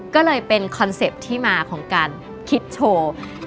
ก็เลยเป็นคอนเซ็ปต์ที่มาของการคิดโชว์